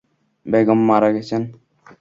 বেগম মারা গেছেন?